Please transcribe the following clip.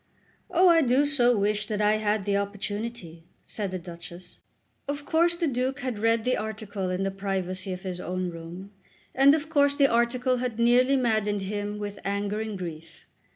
"Oh, I do so wish that I had the opportunity," said the Duchess. Of course the Duke had read the article in the privacy of his own room, and of course the article had nearly maddened him with anger and grief.